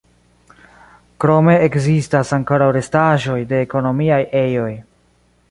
Krome ekzistas ankoraŭ restaĵoj de ekonomiaj ejoj.